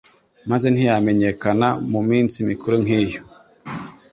maze ntiyamenyekana. Mu minsi mikuru nk'iyo,